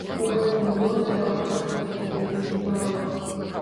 У гэтым годзе апошні такі нізкі парог.